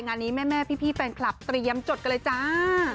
งานนี้แม่พี่แฟนคลับเตรียมจดกันเลยจ้า